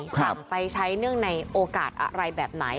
สั่งไปใช้เนื่องในโอกาสอะไรแบบไหน